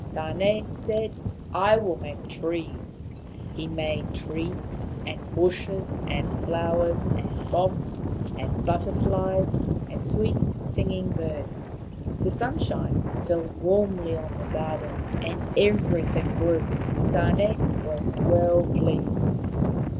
Tane" said, " I will make trees." He made trees and bushes, flowers and moths and butter flies, and sweet singing birds. The sunshine fell warmly on the garden, and everything grew. Tane was well pleased.